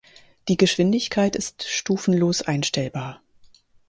Die Geschwindigkeit ist stufenlos einstellbar.